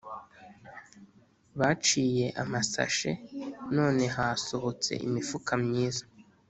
Baciye amasashe none hasotse imifuka myiza